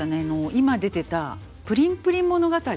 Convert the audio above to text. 今出てた「プリンプリン物語」